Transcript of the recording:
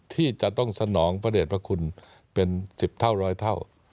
ที่จะต้องสนองพระเด็จพระคุณเป็น๑๐เท่าร้อยเท่า